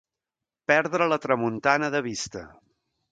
Perdre la tramuntana de vista.